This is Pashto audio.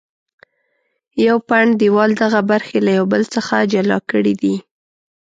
یو پنډ دیوال دغه برخې له یو بل څخه جلا کړې دي.